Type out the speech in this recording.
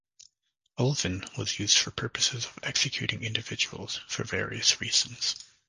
Ulven was used for purposes of executing individuals for various reasons.